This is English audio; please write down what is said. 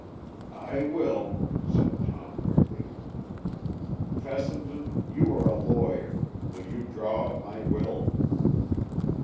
"I will," said Tom, quickly; "Fessenden, you are a lawyer, will you draw up my will?"